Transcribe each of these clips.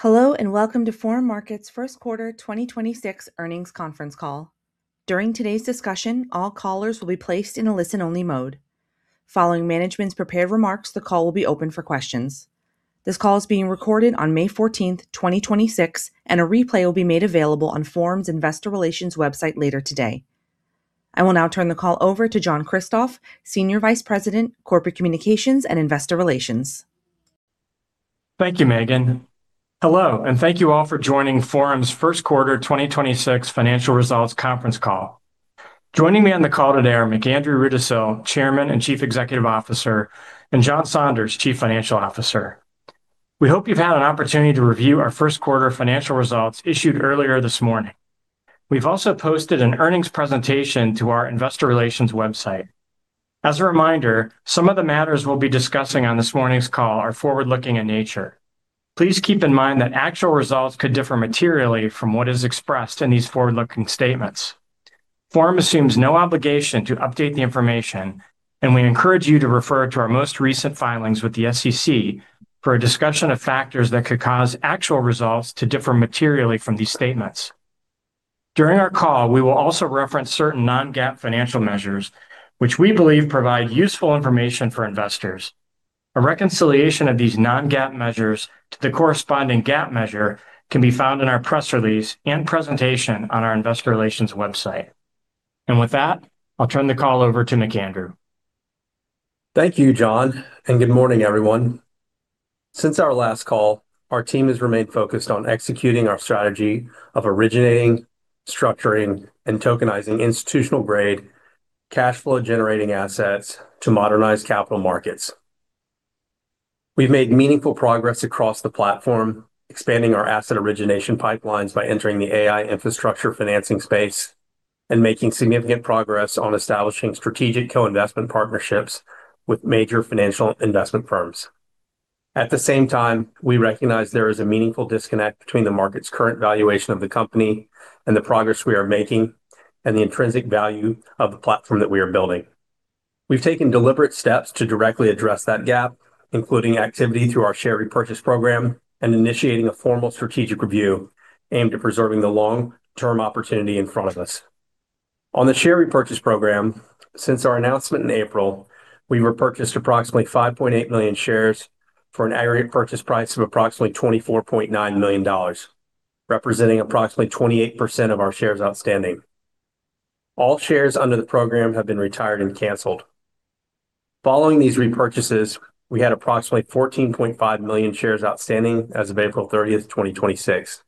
Hello, and welcome to Forum Markets' first quarter 2026 earnings conference call. During today's discussion, all callers will be placed in a listen-only mode. Following management's prepared remarks, the call will be open for questions. This call is being recorded on May 14, 2026, and a replay will be made available on Forum's investor relations website later today. I will now turn the call over to John Kristoff, Senior Vice President, Corporate Communications and Investor Relations. Thank you, Megan. Hello, and thank you all for joining Forum's first quarter 2026 financial results conference call. Joining me on the call today are McAndrew Rudisill, Chairman and Chief Executive Officer, and John Saunders, Chief Financial Officer. We hope you've had an opportunity to review our first quarter financial results issued earlier this morning. We've also posted an earnings presentation to our investor relations website. As a reminder, some of the matters we'll be discussing on this morning's call are forward-looking in nature. Please keep in mind that actual results could differ materially from what is expressed in these forward-looking statements. Forum assumes no obligation to update the information, and we encourage you to refer to our most recent filings with the SEC for a discussion of factors that could cause actual results to differ materially from these statements. During our call, we will also reference certain non-GAAP financial measures which we believe provide useful information for investors. A reconciliation of these non-GAAP measures to the corresponding GAAP measure can be found in our press release and presentation on our investor relations website. With that, I'll turn the call over to McAndrew. Thank you, John, and good morning, everyone. Since our last call, our team has remained focused on executing our strategy of originating, structuring, and tokenizing institutional-grade cash flow-generating assets to modernize capital markets. We've made meaningful progress across the platform, expanding our asset origination pipelines by entering the AI infrastructure financing space and making significant progress on establishing strategic co-investment partnerships with major financial investment firms. At the same time, we recognize there is a meaningful disconnect between the market's current valuation of the company and the progress we are making and the intrinsic value of the platform that we are building. We've taken deliberate steps to directly address that gap, including activity through our share repurchase program and initiating a formal strategic review aimed at preserving the long-term opportunity in front of us. On the share repurchase program, since our announcement in April, we repurchased approximately 5.8 million shares for an aggregate purchase price of approximately $24.9 million, representing approximately 28% of our shares outstanding. All shares under the program have been retired and canceled. Following these repurchases, we had approximately 14.5 million shares outstanding as of April 30th, 2026.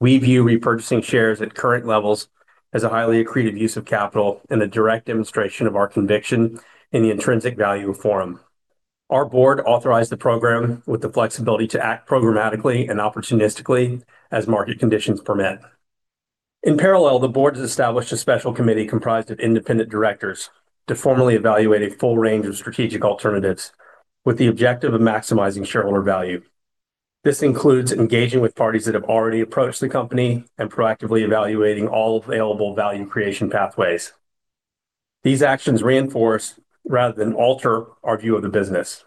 We view repurchasing shares at current levels as a highly accretive use of capital and a direct demonstration of our conviction in the intrinsic value of Forum. Our board authorized the program with the flexibility to act programmatically and opportunistically as market conditions permit. In parallel, the board has established a special committee comprised of independent directors to formally evaluate a full range of strategic alternatives with the objective of maximizing shareholder value. This includes engaging with parties that have already approached the company and proactively evaluating all available value creation pathways. These actions reinforce rather than alter our view of the business.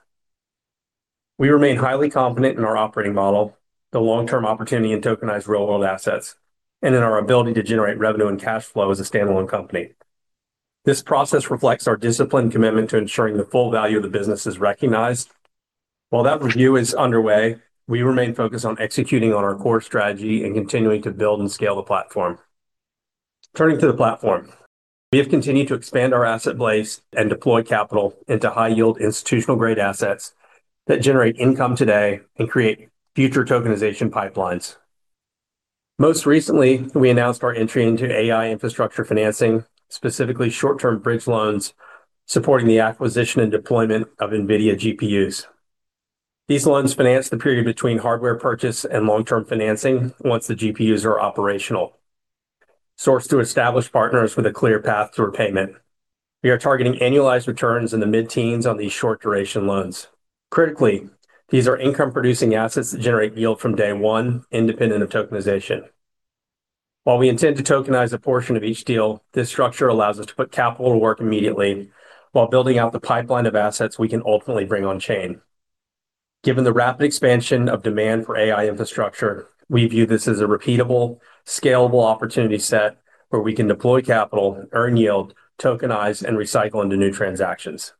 We remain highly confident in our operating model, the long-term opportunity in tokenized real-world assets, and in our ability to generate revenue and cash flow as a standalone company. This process reflects our disciplined commitment to ensuring the full value of the business is recognized. While that review is underway, we remain focused on executing on our core strategy and continuing to build and scale the platform. Turning to the platform. We have continued to expand our asset base and deploy capital into high-yield institutional-grade assets that generate income today and create future tokenization pipelines. Most recently, we announced our entry into AI infrastructure financing, specifically short-term bridge loans supporting the acquisition and deployment of NVIDIA GPUs. These loans finance the period between hardware purchase and long-term financing once the GPUs are operational. Sourced through established partners with a clear path to repayment. We are targeting annualized returns in the mid-teens on these short-duration loans. Critically, these are income-producing assets that generate yield from day one independent of tokenization. While we intend to tokenize a portion of each deal, this structure allows us to put capital to work immediately while building out the pipeline of assets we can ultimately bring on-chain. Given the rapid expansion of demand for AI infrastructure, we view this as a repeatable, scalable opportunity set where we can deploy capital, earn yield, tokenize, and recycle into new transactions.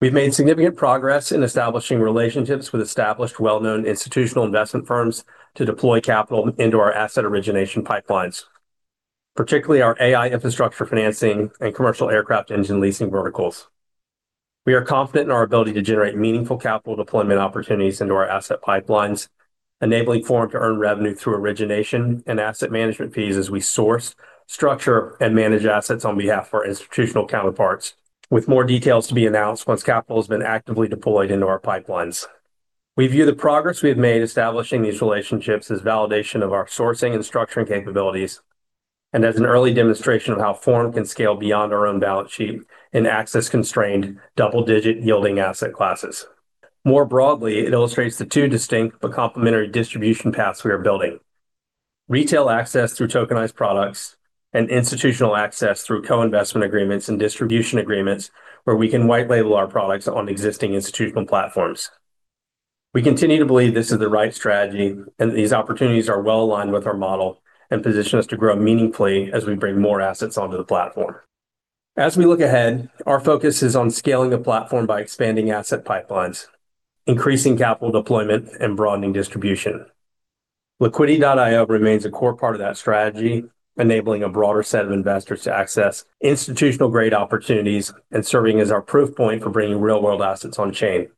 We've made significant progress in establishing relationships with established well-known institutional investment firms to deploy capital into our asset origination pipelines, particularly our AI infrastructure financing and commercial aircraft engine leasing verticals. We are confident in our ability to generate meaningful capital deployment opportunities into our asset pipelines, enabling Forum to earn revenue through origination and asset management fees as we source, structure, and manage assets on behalf of our institutional counterparts with more details to be announced once capital has been actively deployed into our pipelines. We view the progress we have made establishing these relationships as validation of our sourcing and structuring capabilities and as an early demonstration of how Forum can scale beyond our own balance sheet and access constrained double-digit yielding asset classes. More broadly, it illustrates the two distinct but complementary distribution paths we are building. Retail access through tokenized products and institutional access through co-investment agreements and distribution agreements where we can white label our products on existing institutional platforms. We continue to believe this is the right strategy, and these opportunities are well-aligned with our model and position us to grow meaningfully as we bring more assets onto the platform. As we look ahead, our focus is on scaling the platform by expanding asset pipelines, increasing capital deployment, and broadening distribution. Liquidity.io remains a core part of that strategy, enabling a broader set of investors to access institutional-grade opportunities and serving as our proof point for bringing real-world assets on-chain.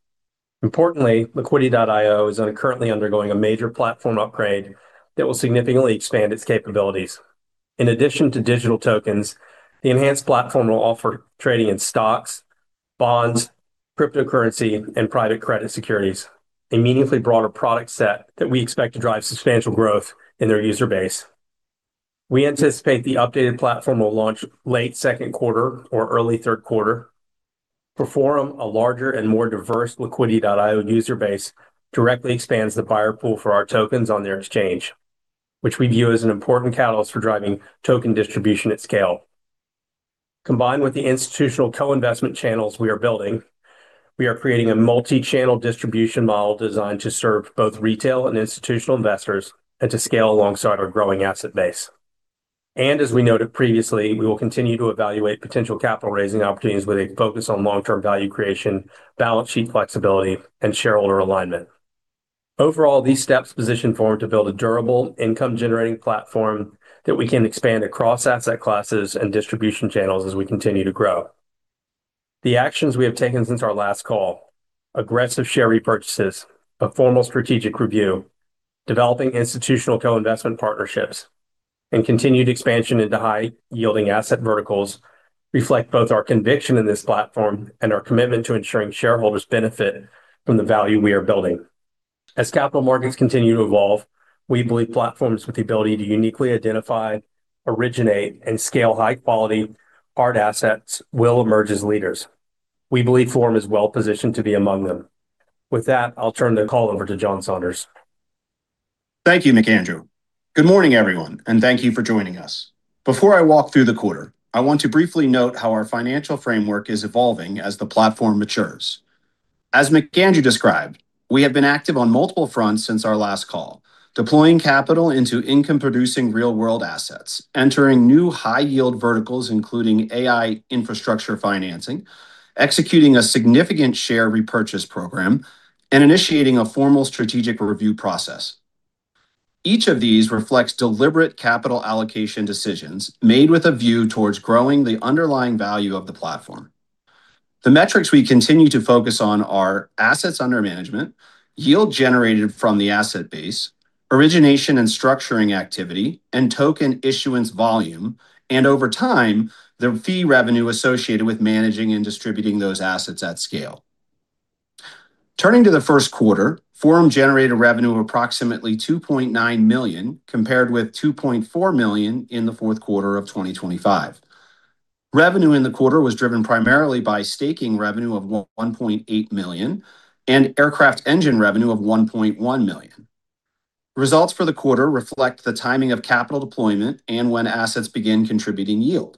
Importantly, Liquidity.io is currently undergoing a major platform upgrade that will significantly expand its capabilities. In addition to digital tokens, the enhanced platform will offer trading in stocks, bonds, cryptocurrency, and private credit securities, a meaningfully broader product set that we expect to drive substantial growth in their user base. We anticipate the updated platform will launch late second quarter or early third quarter. For Forum, a larger and more diverse Liquidity.io user base directly expands the buyer pool for our tokens on their exchange, which we view as an important catalyst for driving token distribution at scale. Combined with the institutional co-investment channels we are building, we are creating a multi-channel distribution model designed to serve both retail and institutional investors and to scale alongside our growing asset base. As we noted previously, we will continue to evaluate potential capital-raising opportunities with a focus on long-term value creation, balance sheet flexibility, and shareholder alignment. Overall, these steps position Forum to build a durable income-generating platform that we can expand across asset classes and distribution channels as we continue to grow. The actions we have taken since our last call, aggressive share repurchases, a formal strategic review, developing institutional co-investment partnerships, and continued expansion into high-yielding asset verticals reflect both our conviction in this platform and our commitment to ensuring shareholders benefit from the value we are building. As capital markets continue to evolve, we believe platforms with the ability to uniquely identify, originate, and scale high-quality hard assets will emerge as leaders. We believe Forum is well-positioned to be among them. With that, I'll turn the call over to John Saunders. Thank you, McAndrew. Good morning, everyone, and thank you for joining us. Before I walk through the quarter, I want to briefly note how our financial framework is evolving as the platform matures. As McAndrew described, we have been active on multiple fronts since our last call, deploying capital into income-producing real-world assets, entering new high-yield verticals, including AI infrastructure financing, executing a significant share repurchase program, and initiating a formal strategic review process. Each of these reflects deliberate capital allocation decisions made with a view towards growing the underlying value of the platform. The metrics we continue to focus on are assets under management, yield generated from the asset base, origination and structuring activity, and token issuance volume, and over time, the fee revenue associated with managing and distributing those assets at scale. Turning to the first quarter, Forum generated revenue of approximately $2.9 million, compared with $2.4 million in the fourth quarter of 2025. Revenue in the quarter was driven primarily by staking revenue of $1.8 million and aircraft engine revenue of $1.1 million. Results for the quarter reflect the timing of capital deployment and when assets begin contributing yield.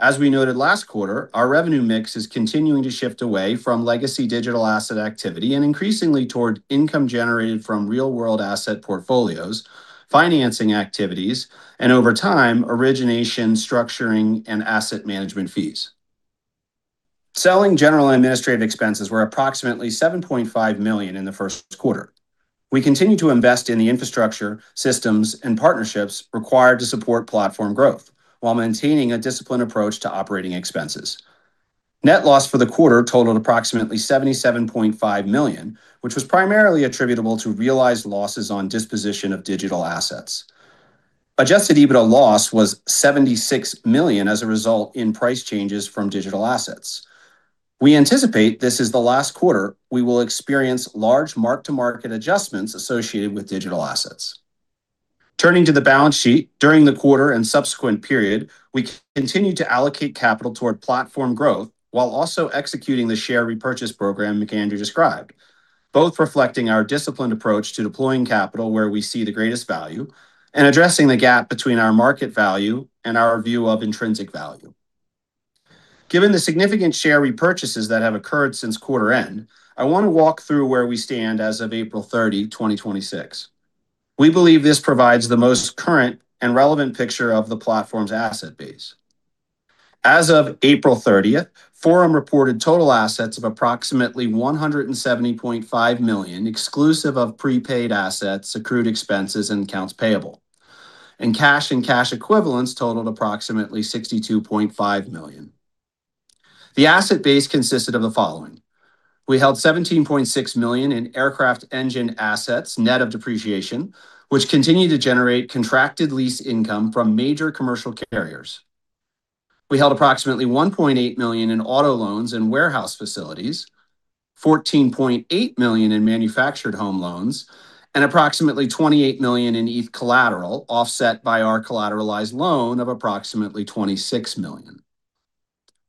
As we noted last quarter, our revenue mix is continuing to shift away from legacy digital asset activity and increasingly toward income generated from real-world asset portfolios, financing activities, and over time, origination, structuring, and asset management fees. Selling general administrative expenses were approximately $7.5 million in the first quarter. We continue to invest in the infrastructure systems and partnerships required to support platform growth while maintaining a disciplined approach to operating expenses. Net loss for the quarter totaled approximately $77.5 million, which was primarily attributable to realized losses on disposition of digital assets. Adjusted EBITDA loss was $76 million as a result in price changes from digital assets. We anticipate this is the last quarter we will experience large mark-to-market adjustments associated with digital assets. Turning to the balance sheet, during the quarter and subsequent period, we continued to allocate capital toward platform growth while also executing the share repurchase program McAndrew described, both reflecting our disciplined approach to deploying capital where we see the greatest value and addressing the gap between our market value and our view of intrinsic value. Given the significant share repurchases that have occurred since quarter end, I wanna walk through where we stand as of April 30, 2026. We believe this provides the most current and relevant picture of the platform's asset base. As of April 30th, Forum reported total assets of approximately $170.5 million, exclusive of prepaid assets, accrued expenses, and accounts payable, and cash and cash equivalents totaled approximately $62.5 million. The asset base consisted of the following. We held $17.6 million in aircraft engine assets net of depreciation, which continued to generate contracted lease income from major commercial carriers. We held approximately $1.8 million in auto loans and warehouse facilities, $14.8 million in manufactured home mortgages, and approximately $28 million in ETH collateral, offset by our collateralized loan of approximately $26 million.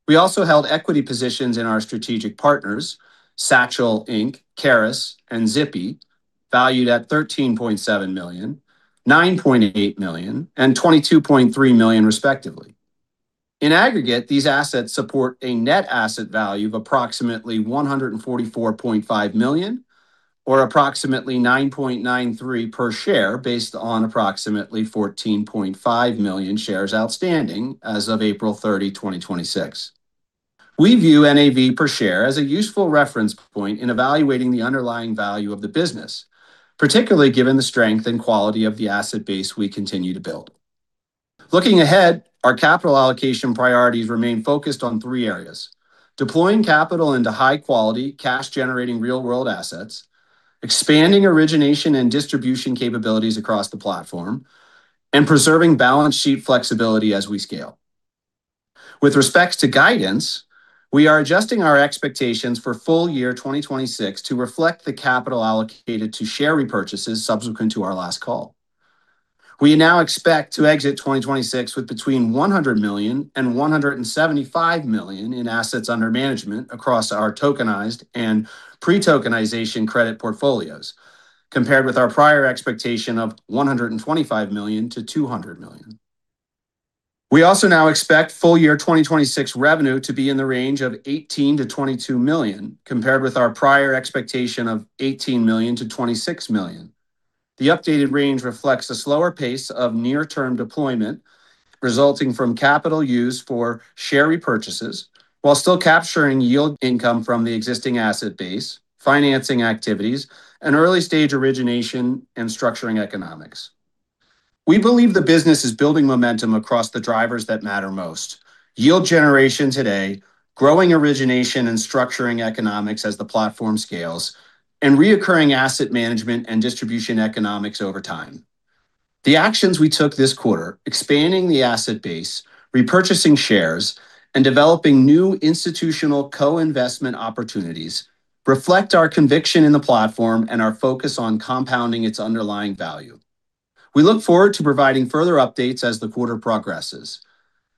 We also held equity positions in our strategic partners, Satschel, Inc., Karus, and Zippy, Inc., valued at $13.7 million, $9.8 million, and $22.3 million respectively. In aggregate, these assets support a net asset value of approximately $144.5 million, or approximately $9.93 per share based on approximately 14.5 million shares outstanding as of April 30, 2026. We view NAV per share as a useful reference point in evaluating the underlying value of the business, particularly given the strength and quality of the asset base we continue to build. Looking ahead, our capital allocation priorities remain focused on three areas: deploying capital into high quality, cash-generating real-world assets, expanding origination and distribution capabilities across the platform, and preserving balance sheet flexibility as we scale. With respect to guidance, we are adjusting our expectations for full year 2026 to reflect the capital allocated to share repurchases subsequent to our last call. We now expect to exit 2026 with between $100 million and $175 million in assets under management across our tokenized and pre-tokenization credit portfolios, compared with our prior expectation of $125 million-$200 million. We also now expect full year 2026 revenue to be in the range of $18 million-$22 million, compared with our prior expectation of $18 million-$26 million. The updated range reflects a slower pace of near-term deployment resulting from capital used for share repurchases while still capturing yield income from the existing asset base, financing activities, and early-stage origination and structuring economics. We believe the business is building momentum across the drivers that matter most. Yield generation today, growing origination and structuring economics as the platform scales, and reoccurring asset management and distribution economics over time. The actions we took this quarter, expanding the asset base, repurchasing shares, and developing new institutional co-investment opportunities, reflect our conviction in the platform and our focus on compounding its underlying value. We look forward to providing further updates as the quarter progresses.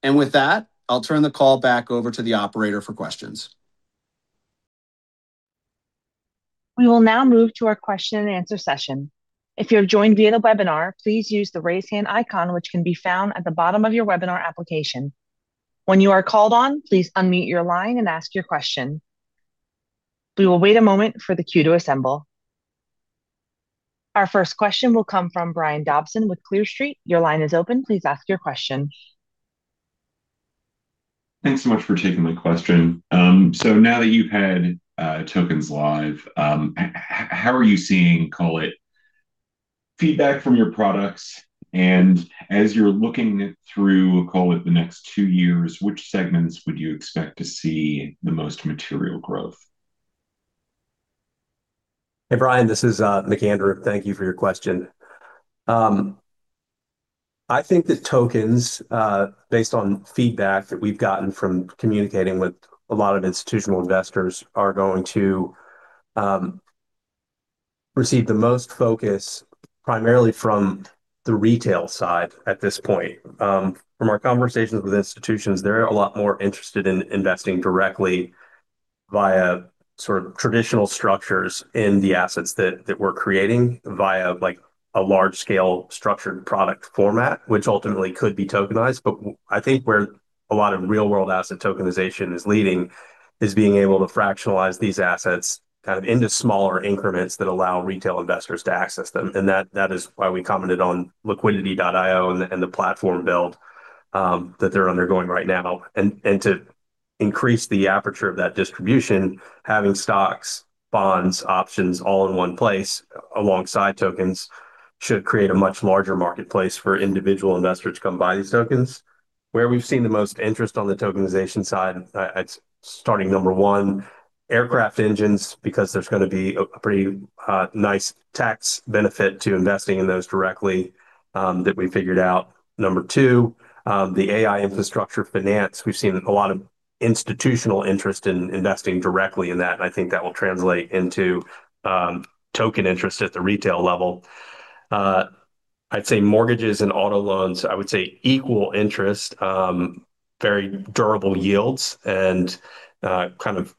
With that, I'll turn the call back over to the operator for questions. We will now move to our question and answer session. If you are joined via the webinar, please use the raise hand icon, which can be found at the bottom of your webinar application. When you are called on, please unmute your line and ask your question. We will wait a moment for the queue to assemble. Our first question will come from Brian Dobson with Clear Street. Your line is open. Please ask your question. Thanks so much for taking my question. Now that you've had tokens live, how are you seeing, call it, feedback from your products? As you're looking through, call it, the next two years, which segments would you expect to see the most material growth? Hey, Brian, this is McAndrew Rudisill. Thank you for your question. I think that tokens, based on feedback that we've gotten from communicating with a lot of institutional investors, are going to receive the most focus primarily from the retail side at this point. From our conversations with institutions, they're a lot more interested in investing directly via sort of traditional structures in the assets that we're creating via, like, a large-scale structured product format, which ultimately could be tokenized. I think where a lot of real-world asset tokenization is leading is being able to fractionalize these assets kind of into smaller increments that allow retail investors to access them, and that is why we commented on Liquidity.io and the platform build that they're undergoing right now. To increase the aperture of that distribution, having stocks, bonds, options all in one place alongside tokens should create a much larger marketplace for individual investors to come buy these tokens. Where we've seen the most interest on the tokenization side, it's starting number one, aircraft engines, because there's gonna be a pretty, nice tax benefit to investing in those directly, that we figured out. Number two, the AI infrastructure finance. We've seen a lot of institutional interest in investing directly in that, and I think that will translate into token interest at the retail level. I'd say mortgages and auto loans, I would say equal interest, very durable yields and, kind of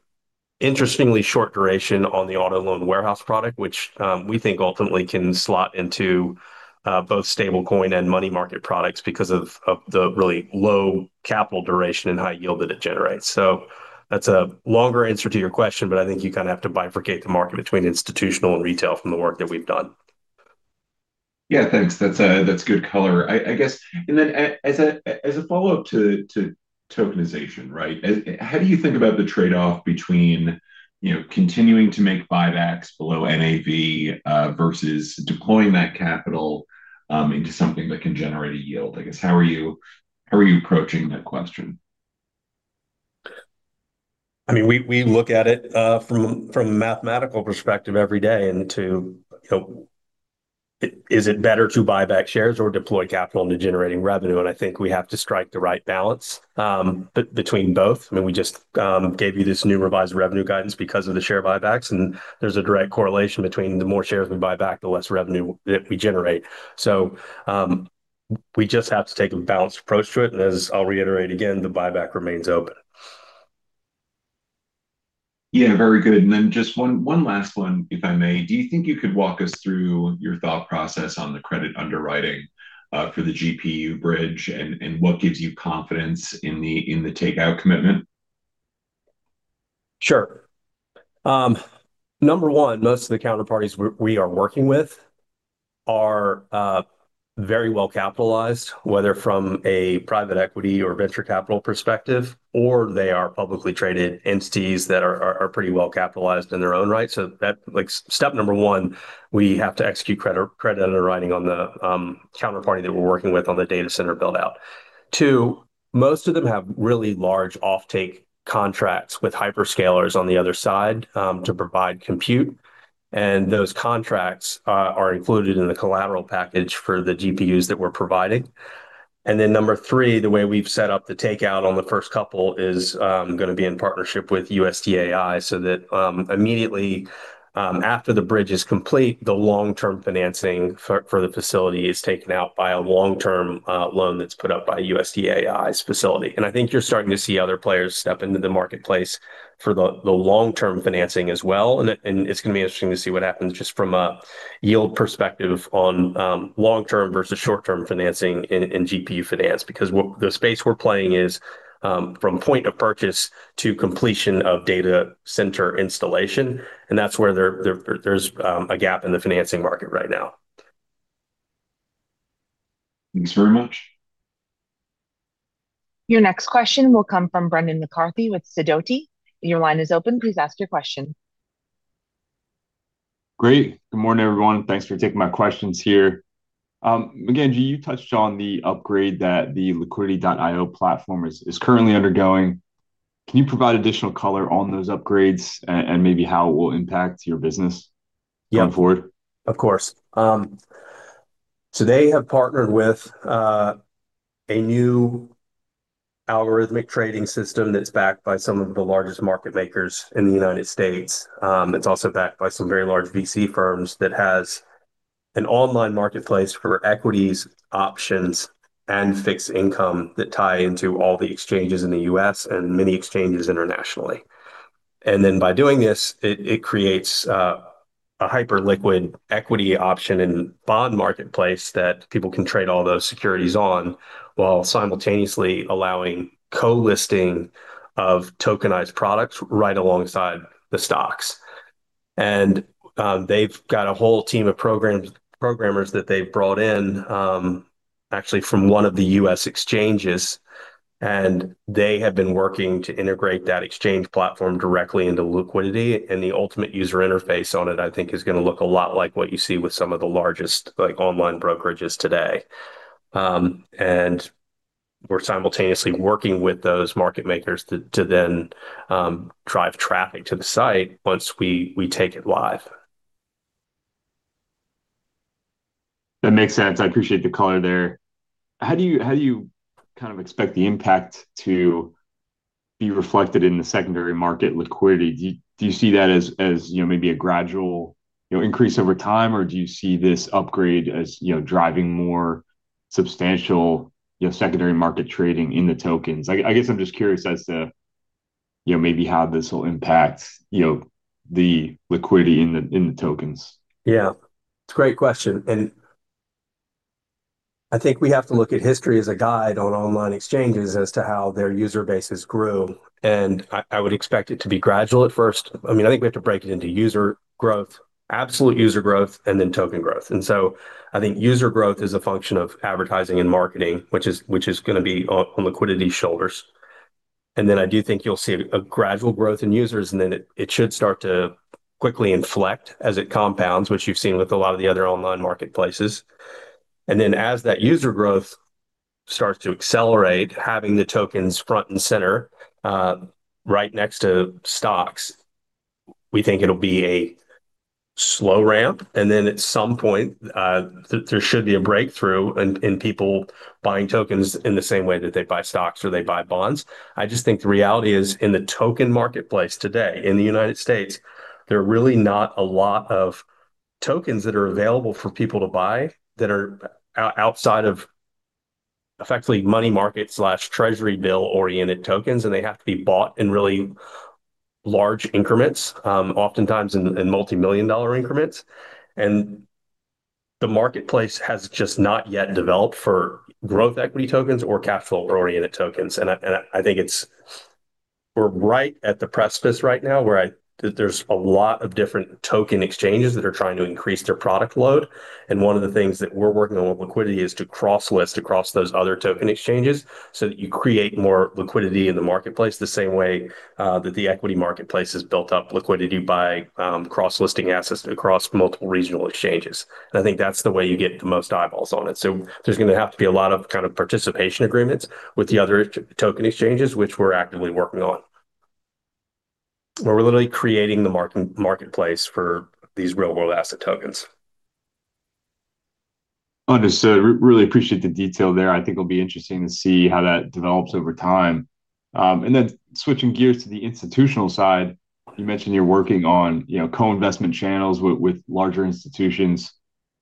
interestingly short duration on the auto loan warehouse product, which, we think ultimately can slot into, both stablecoin and money market products because of the really low capital duration and high yield that it generates. That's a longer answer to your question, but I think you kind of have to bifurcate the market between institutional and retail from the work that we've done. Yeah, thanks. That's, that's good color. As a follow-up to tokenization, right? How do you think about the trade-off between, you know, continuing to make buybacks below NAV versus deploying that capital into something that can generate a yield? I guess, how are you approaching that question? I mean, we look at it from a mathematical perspective every day into, you know, is it better to buy back shares or deploy capital into generating revenue? I think we have to strike the right balance between both. I mean, we just gave you this new revised revenue guidance because of the share buybacks, and there's a direct correlation between the more shares we buy back, the less revenue that we generate. We just have to take a balanced approach to it. As I'll reiterate again, the buyback remains open. Yeah, very good. Then just one last one, if I may. Do you think you could walk us through your thought process on the credit underwriting for the GPU bridge and what gives you confidence in the takeout commitment? Sure. Number one, most of the counterparties we are working with are very well-capitalized, whether from a private equity or venture capital perspective, or they are publicly traded entities that are pretty well capitalized in their own right. Step number one, we have to execute credit underwriting on the counterparty that we're working with on the data center build-out. Two, most of them have really large offtake contracts with hyperscalers on the other side to provide compute. Those contracts are included in the collateral package for the GPUs that we're providing. Number three, the way we've set up the takeout on the first couple is going to be in partnership with USD.AI so that immediately after the bridge is complete, the long-term financing for the facility is taken out by a long-term loan that is put up by USD.AI's facility. I think you are starting to see other players step into the marketplace for the long-term financing as well. It is going to be interesting to see what happens just from a yield perspective on long-term versus short-term financing in GPU finance. The space we are playing is from point of purchase to completion of data center installation, and that is where there is a gap in the financing market right now. Thanks very much. Your next question will come from Brendan McCarthy with Sidoti. Your line is open, please ask your question. Great. Good morning, everyone. Thanks for taking my questions here. Again, G, you touched on the upgrade that the Liquidity.io platform is currently undergoing. Can you provide additional color on those upgrades and maybe how it will impact your business? Yeah going forward? Of course. They have partnered with a new algorithmic trading system that's backed by some of the largest market makers in the U.S. It's also backed by some very large VC firms that has an online marketplace for equities, options, and fixed income that tie into all the exchanges in the U.S. and many exchanges internationally. By doing this, it creates a hyper liquid equity option and bond marketplace that people can trade all those securities on, while simultaneously allowing co-listing of tokenized products right alongside the stocks. They've got a whole team of programmers that they've brought in, actually from one of the U.S. exchanges, and they have been working to integrate that exchange platform directly into Liquidity.io. The ultimate user interface on it, I think is gonna look a lot like what you see with some of the largest, like, online brokerages today. We're simultaneously working with those market makers to then drive traffic to the site once we take it live. That makes sense. I appreciate the color there. How do you kind of expect the impact to be reflected in the secondary market liquidity? Do you see that as, you know, maybe a gradual, you know, increase over time, or do you see this upgrade as, you know, driving more substantial, you know, secondary market trading in the tokens? I guess I'm just curious as to, you know, maybe how this will impact, you know, the liquidity in the tokens. Yeah. I think we have to look at history as a guide on online exchanges as to how their user bases grew. I would expect it to be gradual at first. I mean, I think we have to break it into user growth, absolute user growth, and then token growth. I think user growth is a function of advertising and marketing, which is going to be on Liquidity.io's shoulders. I do think you'll see a gradual growth in users, then it should start to quickly inflect as it compounds, which you've seen with a lot of the other online marketplaces. As that user growth starts to accelerate, having the tokens front and center, right next to stocks, we think it'll be a slow ramp. At some point, there should be a breakthrough in people buying tokens in the same way that they buy stocks or they buy bonds. I just think the reality is, in the token marketplace today, in the U.S., there are really not a lot of tokens that are available for people to buy that are outside of effectively money market/treasury bill-oriented tokens, and they have to be bought in really large increments, oftentimes in multi-million dollar increments. The marketplace has just not yet developed for growth equity tokens or capital-oriented tokens. I think we're right at the precipice right now, where there's a lot of different token exchanges that are trying to increase their product load. One of the things that we're working on with liquidity is to cross list across those other token exchanges so that you create more liquidity in the marketplace, the same way that the equity marketplace has built up liquidity by cross-listing assets across multiple regional exchanges. I think that's the way you get the most eyeballs on it. There's gonna have to be a lot of kind of participation agreements with the other token exchanges, which we're actively working on, where we're literally creating the marketplace for these real-world asset tokens. Understood. Really appreciate the detail there. I think it'll be interesting to see how that develops over time. Then switching gears to the institutional side, you mentioned you're working on, you know, co-investment channels with larger institutions.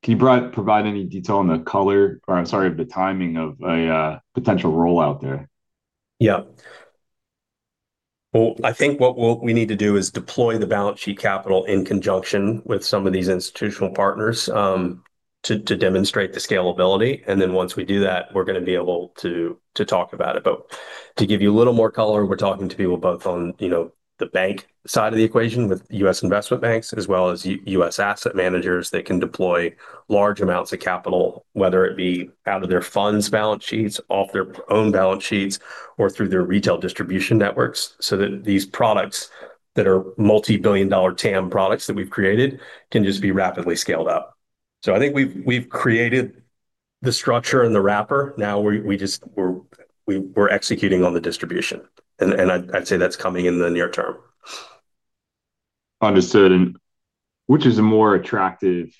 Can you provide any detail on the color or I'm sorry, of the timing of a potential rollout there? Yeah. Well, I think what we need to do is deploy the balance sheet capital in conjunction with some of these institutional partners, to demonstrate the scalability. Then once we do that, we're going to be able to talk about it. To give you a little more color, we're talking to people both on, you know, the bank side of the equation with U.S. investment banks, as well as U.S. asset managers that can deploy large amounts of capital, whether it be out of their funds balance sheets, off their own balance sheets, or through their retail distribution networks so that these products that are multi-billion-dollar TAM products that we've created can just be rapidly scaled up. I think we've created the structure and the wrapper. Now we're executing on the distribution. I'd say that's coming in the near term. Understood. Which is a more attractive,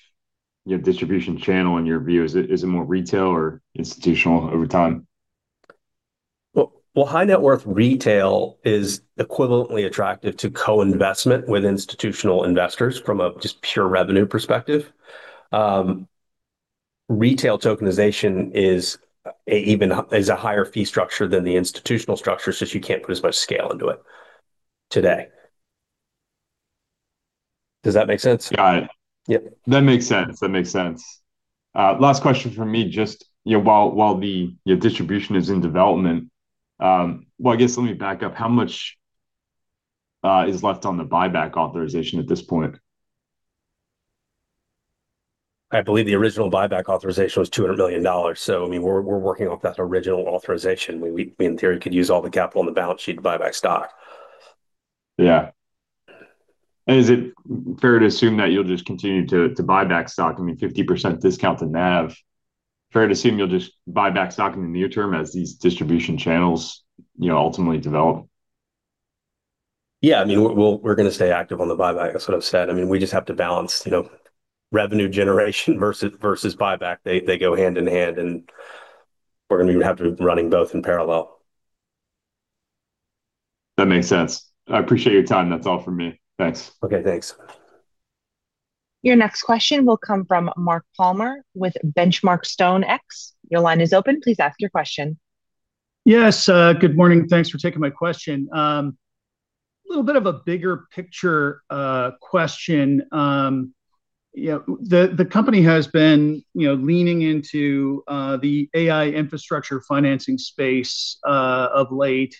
you know, distribution channel in your view? Is it more retail or institutional over time? Well, well, high net worth retail is equivalently attractive to co-investment with institutional investors from a just pure revenue perspective. Retail tokenization even is a higher fee structure than the institutional structure, you can't put as much scale into it today. Does that make sense? Got it. Yeah. That makes sense. That makes sense. Last question from me, just, you know, while the, you know, distribution is in development, well, I guess let me back up. How much is left on the buyback authorization at this point? I believe the original buyback authorization was $200 million, I mean, we're working off that original authorization. We in theory could use all the capital on the balance sheet to buy back stock. Yeah. Is it fair to assume that you'll just continue to buy back stock? I mean, 50% discount to NAV. Fair to assume you'll just buy back stock in the near term as these distribution channels, you know, ultimately develop? Yeah. I mean, we're gonna stay active on the buyback. That's what I've said. I mean, we just have to balance, you know, revenue generation versus buyback. They go hand in hand, we're gonna have to be running both in parallel. That makes sense. I appreciate your time. That's all from me. Thanks. Okay, thanks. Your next question will come from Mark Palmer with The Benchmark Company. Your line is open. Please ask your question. Yes, good morning. Thanks for taking my question. Little bit of a bigger picture question. You know, the company has been, you know, leaning into the AI infrastructure financing space of late.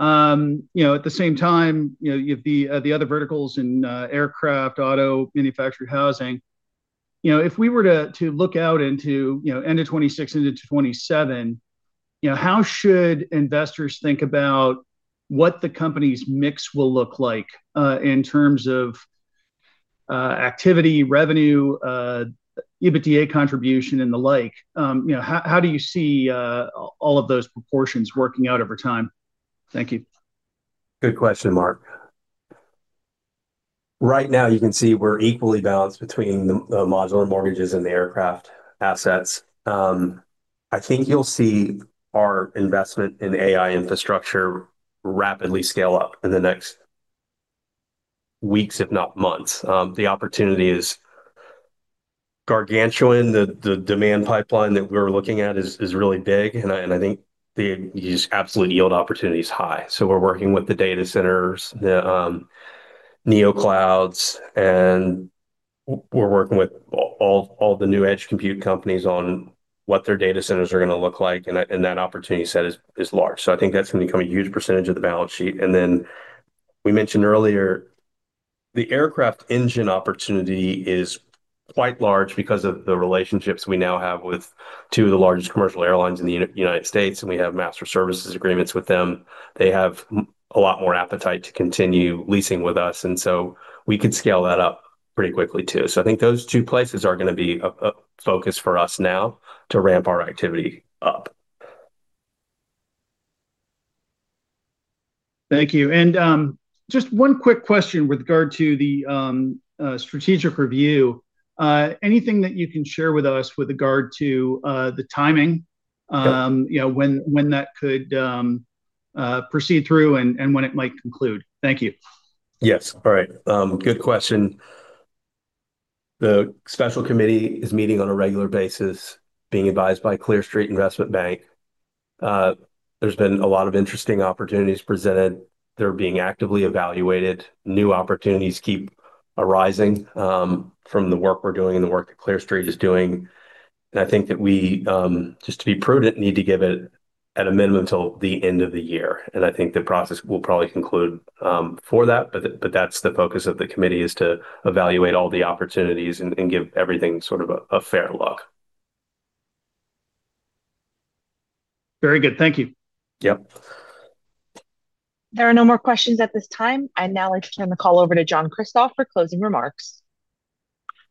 You know, at the same time, you know, you have the other verticals in aircraft, auto, manufactured housing. You know, if we were to look out into, you know, end of 2026 into 2027, you know, how should investors think about what the company's mix will look like in terms of activity, revenue, EBITDA contribution and the like? You know, how do you see all of those proportions working out over time? Thank you. Good question, Mark. Right now you can see we're equally balanced between the manufactured home mortgages and the aircraft assets. I think you'll see our investment in AI infrastructure rapidly scale up in the next weeks, if not months. The opportunity is gargantuan. The demand pipeline that we're looking at is really big, and I think the just absolute yield opportunity is high. We're working with the data centers, the neoclouds, and we're working with all the new edge compute companies on what their data centers are gonna look like, and that opportunity set is large. I think that's gonna become a huge percentage of the balance sheet. Then we mentioned earlier the aircraft engine opportunity is quite large because of the relationships we now have with two of the largest commercial airlines in the United States, and we have master services agreements with them. They have a lot more appetite to continue leasing with us, and so we could scale that up pretty quickly too. I think those two places are gonna be a focus for us now to ramp our activity up. Thank you. Just one quick question with regard to the strategic review. Anything that you can share with us with regard to the timing? You know, when that could proceed through and when it might conclude. Thank you. Yes. All right. Good question. The special committee is meeting on a regular basis, being advised by Clear Street Investment Banking. There's been a lot of interesting opportunities presented. They're being actively evaluated. New opportunities keep arising from the work we're doing and the work that Clear Street is doing. I think that we, just to be prudent, need to give it at a minimum till the end of the year. I think the process will probably conclude before that, but that's the focus of the committee, is to evaluate all the opportunities and give everything sort of a fair look. Very good. Thank you. Yep. There are no more questions at this time. I'd now like to turn the call over to John Kristoff for closing remarks.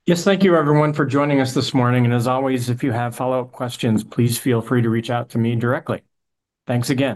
Yes, thank you everyone for joining us this morning. As always, if you have follow-up questions, please feel free to reach out to me directly. Thanks again.